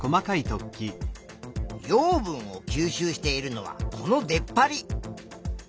養分を吸収しているのはこの出っ張り。